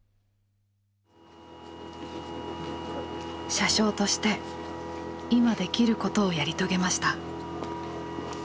車掌として今できることをやり遂げました。